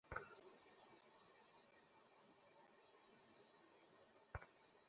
সে যদি স্বেচ্ছায় এগিয়ে আসে, নির্বিঘ্নে বিয়ের অনুষ্ঠান চলবে।